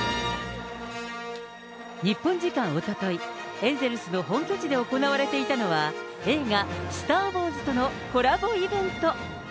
日本時間おととい、エンゼルスの本拠地で行われていたのは、映画、スター・ウォーズとのコラボイベント。